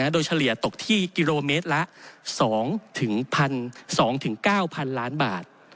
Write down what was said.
โดยเฉลี่ยตกที่กิโลเมตรละ๒๒๙๐๐ล้านบาท